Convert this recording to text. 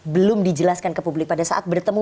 belum dijelaskan ke publik pada saat bertemu